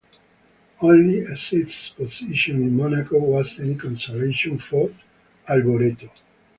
Only a sixth position in Monaco was any consolation for Alboreto.